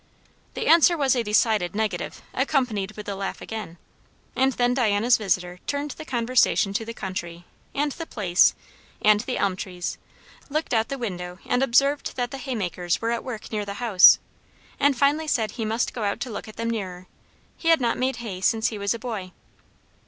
The answer was a decided negative accompanied with a laugh again; and then Diana's visitor turned the conversation to the country, and the place, and the elm trees; looked out of the window and observed that the haymakers were at work near the house, and finally said he must go out to look at them nearer he had not made hay since he was a boy.